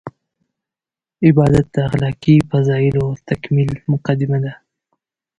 عبادت د اخلاقي فضایلو تکمیل مقدمه ده.